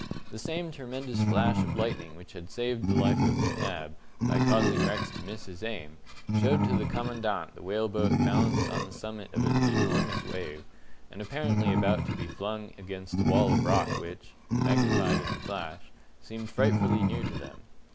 The same tremendous flash of lightning which had saved the life of McNab, by causing Rex to miss his aim, showed to the Commandant the whale boat balanced on the summit of an enormous wave, and apparently about to be flung against the wall of rock which magnified in the flash seemed frightfully near to them.